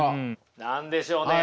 何でしょうね？